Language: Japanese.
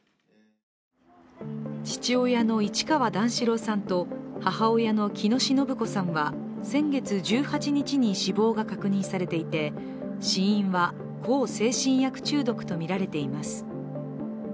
父親の市川段四郎さんと母親の喜熨斗延子さんは先月１８日に死亡が確認されていて、死因は向精神薬中毒とみられています。